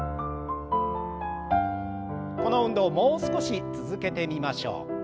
この運動をもう少し続けてみましょう。